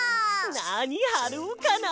なにはろうかな。